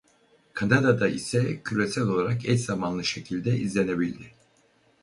Kanada'da ise küresel olarak eş zamanlı şekilde izlenebildi.